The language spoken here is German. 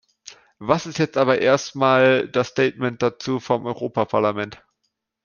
Was ist jetzt aber erst einmal das Statement dazu vom Europaparlament?